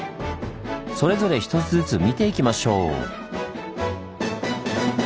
それぞれ１つずつ見ていきましょう。